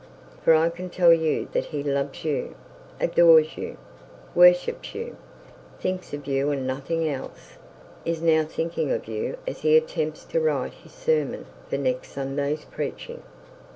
For I can tell you that he loves you, worships you, thinks of you and nothing else, is now thinking of you as he attempts to write his sermon for next Sunday's preaching.